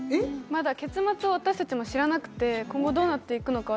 まだ結末を私達も知らなくて今後どうなっていくのか